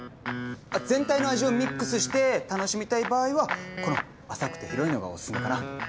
全体の味をミックスして楽しみたい場合はこの浅くて広いのがオススメかな。